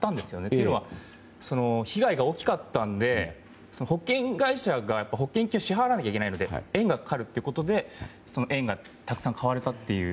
というのは被害が大きかったので保険会社が保険金を支払わなきゃいけないので円がかかるってことで円がたくさん買われたと。